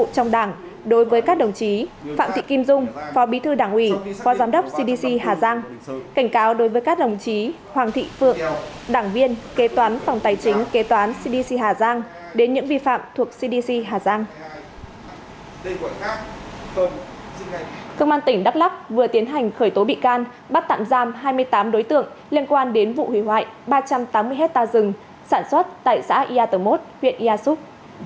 cơ quan tỉnh đắk lắk vừa tiến hành khởi tố bị can bắt tạm giam hai mươi tám đối tượng liên quan đến vụ hủy hoại ba trăm tám mươi hectare rừng sản xuất tại xã yatomot huyện yasuk